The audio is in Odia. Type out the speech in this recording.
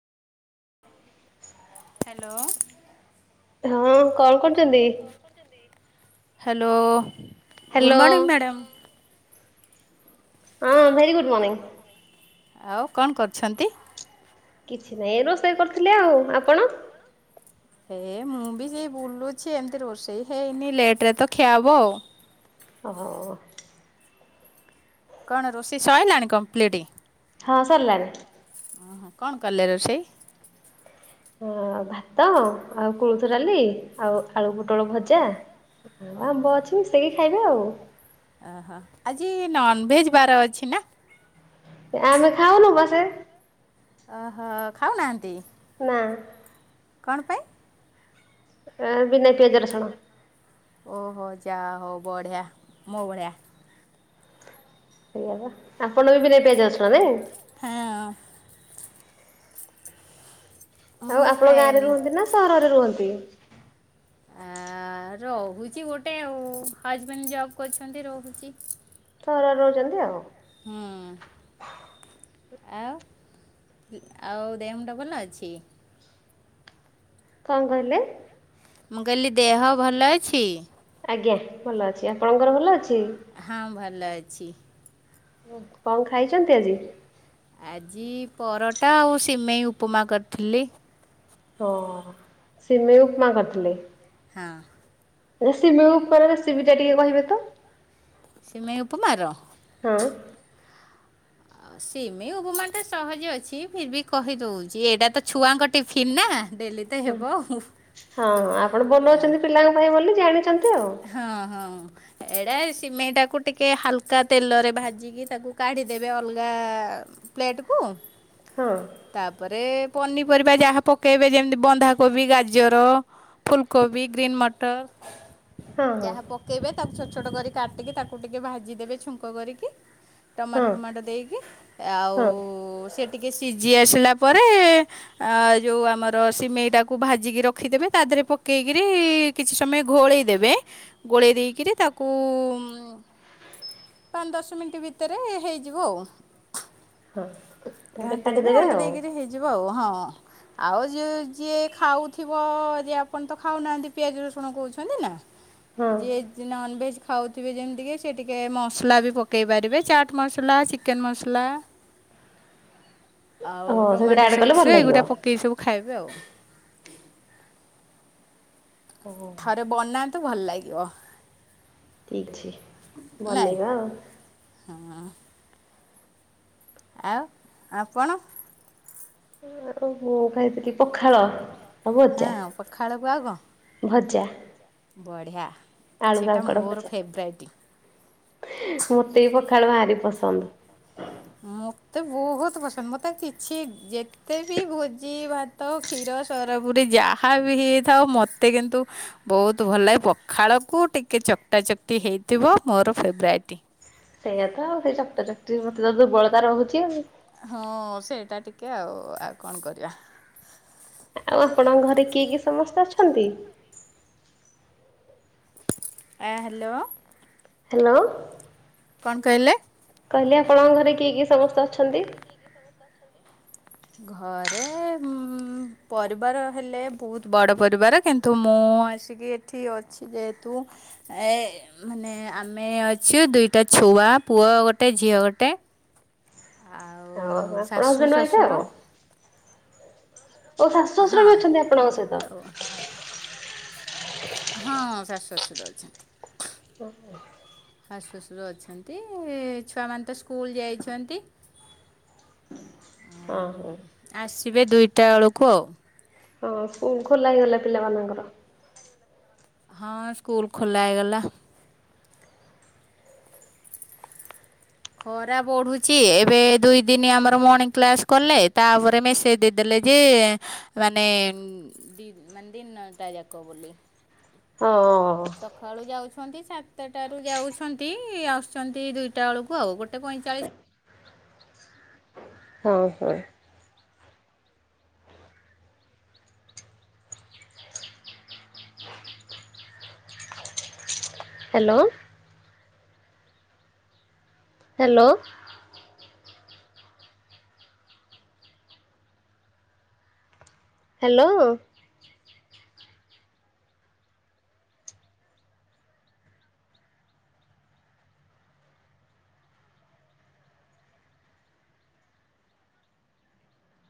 ହ୍ୟାଲୋ। ହଁ କଣ କରୁଛନ୍ତି? Hello good hello. Morning madam. ହଁ ଭେରି ଗୁଡ଼ ମର୍ଣ୍ଣିଙ୍ଗ। ଆଉ କଣ କରୁଛନ୍ତି? କିଛି ନାହିଁ ରୋଷେଇ କରିଥିଲି ଆଉ। ଆପଣ? ହେ ମୁଁ ବି ସେଇ ବୁଲୁଛି ଏମିତି ରୋଷେଇ ହେଇନି ଲେଟ ରେ ତ ଖିଆବ ଆଉ। [inaudible] କଣ ରୋଷେଇ ସଇଲାଣି କମ୍ପ୍ଲିଟ? ହଁ ସରିଲାନି। ଓହୋ କଣ କଲେ ରୋଷେଇ? ହ ଭାତ ଆଉ କୋଳଥ ଡାଲି, ଆଉ ଆଳୁ, ପୋଟଳ ଭଜା। ଆମ୍ବ ଅଛି ମିସେଇକି ଖାଇବେ ଆଉ। ଆଜି ନନ୍‌ଭେଜ ବାର ଅଛି ନା? ଆମେ ଖାଉନୁ ବସେ ଅହ ଖାଉନାହାନ୍ତି। ନାଁ। କଣ ପାଇଁ? ଆ ବିନା ପିଆଜ, ରସୁଣ। ଓହୋ ଯା ହଉ ବଢିଆ ମୋ ଭଳିଆ। ଆପଣ ବି ବିନା ପିଆଜ ରସୁଣ ନାଇଁ। ହଁ। ମୁଁ ଆଉ ବି ଆପଣ ଗାଁରେ ଖାଏନି। ରୁହନ୍ତି ନା ସହରରେ ରୁହନ୍ତି? ଆ ରହୁଚି ଗୋଟେ ଆଉ ହଜବେଣ୍ଡ ଜବ୍ କରିଛନ୍ତି ରହୁଚି। ଥରରେ ରହୁଚନ୍ତି ଆଉ। ହୁଁ। ଆଉ ଆଉ ଦେହ ମୁଣ୍ଡ ଭଲ ଅଛି? କଣ କହିଲେ? ମୁଁ କହିଲି ଦେହ ଭଲ ଅଛି। ଆଜ୍ଞା ଭଲ ଅଛି। ଆପଣଙ୍କର ଭଲ ଅଛି? ହଁ ଭଲ ଅଛି। କଣ ଖାଇଚନ୍ତି ଆଜି? ଆଜି ପରଟା ଆଉ ସିମେଇ ଉପମା କରିଥିଲି। ଓ ସିମେଇ ଉପମା କରିଥିଲେ। ହଁ। ଏ ସିମେଇ ଉପମାର ରେସିପି ଟା ଟିକେ କହିବେ ତ। ସିମେଇ ଉପମାର ହଁ। ସିମେଇ ଉପମାଟା ସହଜ ଅଛି। ଫିର ବି କହିଦଉଚି ଏଇଟା ତ ଛୁଆଙ୍କ ଟିଫିନ ନା ଡେଲି ତ ହଁ ହେବ ଆଉ ହଁ ଆପଣ ବନେଉଚନ୍ତି ପିଲାଙ୍କ ପାଇଁ ବୋଲି ଜାଣିଚନ୍ତି ଆଉ। ହଁ ହଁ ଏଡା ସିମେଇଟାକୁ ଟିକେ ହାଲକା ତେଲରେ ଭାଜି କି ତାକୁ କାଢି ଦେବେ ଅଲଗା ପ୍ଲେଟେକୁ। ହଁ। ତାପରେ ପନିପରିବା ଯାହା ପକେଇବେ ଯେମିତି ବନ୍ଧାକୋବି, ଗାଜର। ଫୁଲକୋବି, ଗ୍ରୀନ ମଟର। ହଁ ହଁ ଯାହା ପକେଇବେ ତାକୁ ଛୋଟ ଛୋଟ କରି କାଟିକି ତାକୁ ଟିକେ ଭାଜିଦେବେ ଛୁଙ୍କ କରିକି। ହଁ ଟମାଟୋ ଫମାଟୋ ଦେଇକି ଆଉ ହଁ ସେ ଟିକେ ସିଜି ଆସିଲା ପରେ ଆ ଯୋଉ ଆମର ସିମେଇଟାକୁ ଭାଜିକି ରଖିଦେବେ ତା ଦେହରେ ପକେଇକିରି କିଛି ସମୟ ଘୋଳେଇ ଦେବେ ଗୋଳେଇ ଦେଇକିରି ତାକୁ ପାନ୍‌ ଦଶ ମିନିଟ ଭିତରେ ହେଇଯିବ ଆଉ। ହଁ ତାପରେ ଘାଣ୍ଟି ଦେବେ କାଢିଦେବେ ଘାଣ୍ଟି ଆଉ। ଦେଇକିରି ହେଇଯିବ ଆଉ ହଁ। ଆଉ ଯିଏ ଯିଏ ଖାଉଥିବ ଯେ ଆପଣ ତ ଖାଉନାହାନ୍ତି ପିଆଜ ରସୁଣ କହୁଛନ୍ତି ନା। ହଁ ଯିଏ ନନ୍ ଭେଜ ଖାଉଥିବେ ଯେମିତି କି ସେ ଟିକେ ମସଲା ବି ପକେଇ ପାରିବେ ଚାଟ୍ ମସଲା ଚି କେନ୍ ମସଲା ଆଉ ଓହୋ ସେଥିରେ ଟମାଟୋ ଆଡ୍ କଲେ ଭଲ ସକ୍ସରେ ଲାଗିବ। ଏଗୁଡ଼ା ପ କେଇ ସବୁ ଖାଇବେ ଆଉ। ହଉ ଥରେ ବନାନ୍ତୁ ଭଲ ଲାଗିବ। ଠିକ୍ ଅଛି ବନେଇବା ଆଉ। ହଁ। ଆଉ ଆପଣ? ମୁଁ ଖାଇଥିଲି ପଖାଳ। ଆଉ ହଁ ଭଜା। ପଖାଳକୁ ଆଉ କ? ଭଜା। ବଢ଼ଆ ଆଳୁ ସେଟା କାଙ୍କଡ ମୋର ଭଜା। ଫେବରାଇଟ୍। ମୋତେ ବି ପଖାଳ ଭାରି ପସନ୍ଦ। ମୋତେ ବହୁତ ପସନ୍ଦ। ମତେ କିଛି ଯେ ମତେ ବି ଭୋଜି ଭାତ, କ୍ଷୀର, ସର ପୁରି ଯାହା ବି ହେଇଥାଉ ମତେ କିନ୍ତୁ ବହୁତ ଭଲ ଲାଗେ। ପଖାଳକୁ ଟିକେ ଚକଟା ଚକଟି ହେଇଥିବ ମୋର ଫେବରାଇଟି। ସେଇଆ ତ ଆଉ ସେଇ ଚକଟା ଚକଟି ମତେ ତ ଦୁର୍ବଳତା ରହୁଛି ଆଉ। ହଁ ସେଇଟା ଟିକେ ଆଉ ଆଉ କଣ କରିବା। ଆଉ ଆପଣଙ୍କ ଘରେ କିଏ କିଏ ସମସ୍ତେ ଅଛନ୍ତି? ଆ ହ୍ୟାଲୋ ହ୍ୟାଲୋ କଣ କହିଲେ? କହିଲି ଆପଣଙ୍କ ଘରେ କିଏ କିଏ ସମସ୍ତେ ଅଛନ୍ତି? ଘରେ ହୁଁ ପରିବାର ହେଲେ ବହୁତ ବଡ଼ ପରିବାର କିନ୍ତୁ ମୁଁ ଆସିକି ଏଠି ଅଛି ଯେହେତୁ ଏ ମାନେ ଆମେ ଅଛୁ ଦୁଇଟା ଛୁଆ ପୁଅ ଗୋଟେ ଝିଅ ଗୋଟେ ହଉ ଆଉ ଆପଣ ଶାଶୁ ହଜବେଣ୍ଡ ୱାଇଫ୍ ଶ୍ୱଶୁର ଆଉ ଓ ଶାଶୁ ଶଶୁର ହଁ ବି ଅଛନ୍ତି ଆପଣଙ୍କ ଏମିତି ସହିତ ଆଉ ହଁ ଶାଶୁ ଶ୍ୱଶୁର ଅଛନ୍ତି। ସାଶୁ ଶୁଶୁର ଅଛନ୍ତି ଛୁଆମାନେ ତ ସ୍କୁଲ ଯାଇଛନ୍ତି ଅ ହଁ ହଁ ଆସିବେ ଦୁଇଟା ବେଳକୁ ଆଉ ହଁ ସ୍କୁଲ ଖୋଲା ହେଇଗଲା ପିଲାମାନଙ୍କର ହଁ ସ୍କୁଲ ଖୋଲା ହେଇ ଗଲା। ଖରା ବଢୁଛି ଏବେ ଦୁଇ ଦିନ ଆମର ମର୍ଣିଂ କ୍ଲାସ କଲେ ତାପରେ ମେସେଜ ଦେ ଦେଲେ ଜି ମାନେ ଦି ମାନେ ଦିନଟା ଯାକ ବୋଲି ହଁ ହଁ ହଁ ହଁ ସଖାଳୁ ଯାଉଛନ୍ତି ସାତଟାରୁ ଯାଉଛନ୍ତି ଆସୁଛନ୍ତି ଦୁଇଟା ବେଳକୁ ଆଉ ଗୋଟେ ପଇଁଚାଳିଶ ହଁ ହଁ ହ୍ୟାଲୋ ହ୍ୟାଲୋ। ହ୍ୟାଲୋ